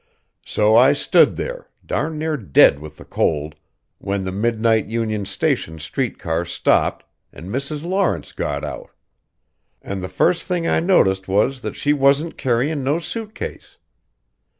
So I stood there, darn near dead with the cold, when the midnight Union Station street car stopped an' Mrs. Lawrence got out. An' the first thing I noticed was that she wasn't carryin' no suit case.